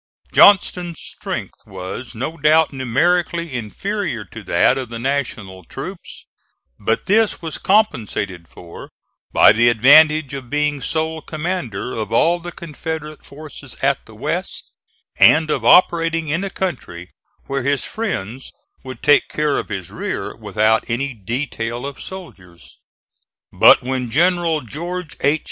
Johnston's strength was no doubt numerically inferior to that of the National troops; but this was compensated for by the advantage of being sole commander of all the Confederate forces at the West, and of operating in a country where his friends would take care of his rear without any detail of soldiers. But when General George H.